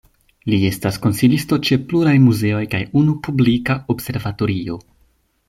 Li estas konsilisto ĉe pluraj muzeoj kaj unu publika observatorio.